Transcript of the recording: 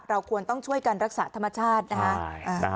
ควรต้องช่วยกันรักษาธรรมชาตินะฮะ